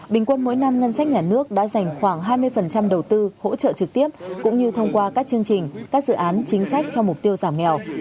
bình quân mỗi năm ngân sách nhà nước đã dành khoảng hai mươi đầu tư hỗ trợ trực tiếp cũng như thông qua các chương trình các dự án chính sách cho mục tiêu giảm nghèo